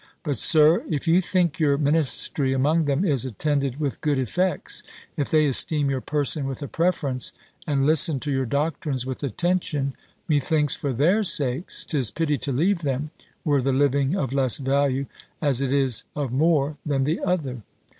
But, Sir, if you think your ministry among them is attended with good effects; if they esteem your person with a preference, and listen to your doctrines with attention; methinks, for their sakes, 'tis pity to leave them, were the living of less value, as it is of more, than the other.